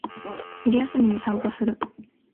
昼休みに散歩する